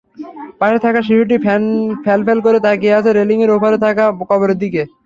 পাশে থাকা শিশুটি ফ্যালফ্যাল করে তাকিয়ে আছে রেলিংয়ের ওপারে থাকা কবরের দিকে।